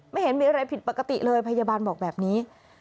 ไม่เห็นมีอะไรผิดปกติเลยพยาบาลบอกแบบนี้